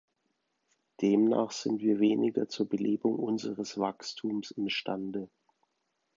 Demnach sind wir weniger zur Belebung unseres Wachstums imstande.